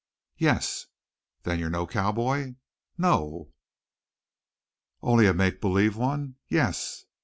"Yes." "Then you're no cowboy?" "No." "Only a make believe one?" "Yes."